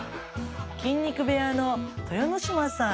筋肉部屋の豊ノ島さん。